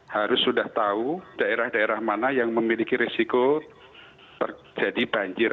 harus sudah tahu daerah daerah mana yang memiliki risiko terjadi banjir